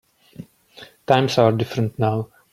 Times are different now.